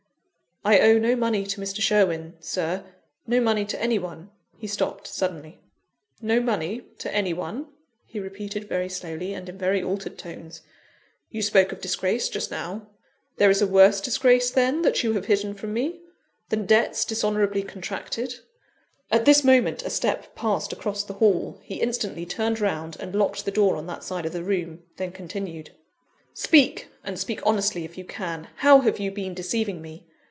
"I owe no money to Mr. Sherwin, Sir no money to any one." He stopped suddenly: "No money to any one?" he repeated very slowly, and in very altered tones. "You spoke of disgrace just now. There is a worse disgrace then that you have hidden from me, than debts dishonourably contracted?" At this moment, a step passed across the hall. He instantly turned round, and locked the door on that side of the room then continued: "Speak! and speak honestly if you can. How have you been deceiving me?